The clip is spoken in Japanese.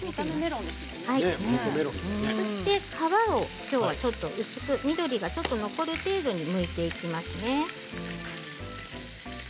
そして皮をちょっと薄く緑がちょっと残る程度にむいていきますね。